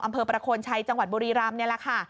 อำเภอประโคนชัยจังหวัดบุรีรำนี่แหละค่ะ